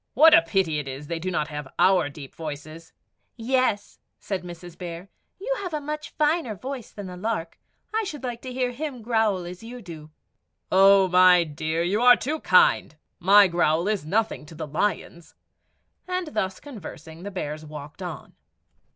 "What a pity it is they have not our deep voices." "Yes," said Mrs. Bear; "you have a much finer voice than the lark. I should like to hear him growl as you do." "Oh, my dear, you are too kind; my growl is nothing to the lion's." And thus conversing, the bears walked on.